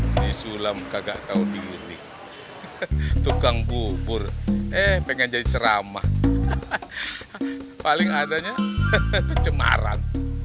si sulam kagak tahu diri tukang bubur eh pengen jadi ceramah paling adanya cemaran